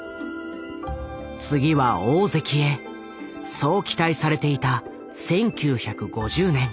次は大関へそう期待されていた１９５０年。